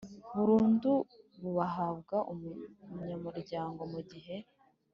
burundu buhabwa umunyamuryango mu gihe